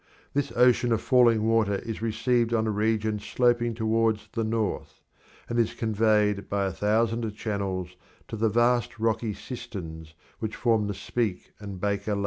This ocean of falling water is received on a region sloping towards the north, and is conveyed by a thousand channels to the vast rocky cisterns which form the Speke and Baker Lakes.